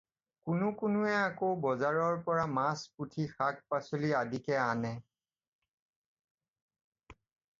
কোনো কোনোৱে আকৌ বজাৰৰ পৰা মাছ-পুঠী, শাক-পাচলি আদিকে আনে।